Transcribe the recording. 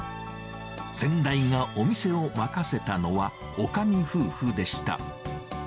先代がお店を任せたのは、おかみ夫婦でした。